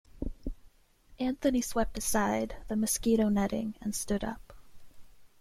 Anthony swept aside the mosquito-netting and stood up.